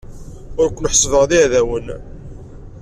Ur ken-ḥessbeɣ d iɛdawen.